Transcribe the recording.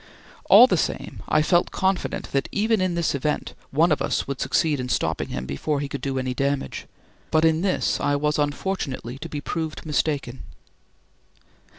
All the same, I felt confident that, even in this event, one of us would succeed in stopping him before he could do any damage; but in this I was unfortunately to be proved mistaken.